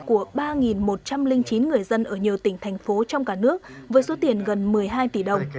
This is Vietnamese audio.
của ba một trăm linh chín người dân ở nhiều tỉnh thành phố trong cả nước với số tiền gần một mươi hai tỷ đồng